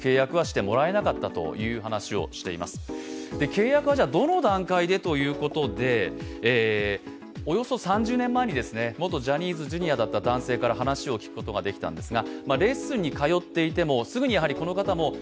契約はどの段階でということでおよそ３０年前に元ジャニーズＪｒ．だった男性から話を聞くことができました。